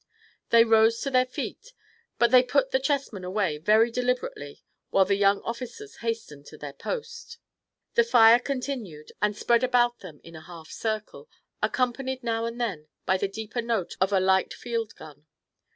They rose to their feet, but they put the chessmen away very deliberately, while the young officers hastened to their posts. The fire continued and spread about them in a half circle, accompanied now and then by the deeper note of a light field gun.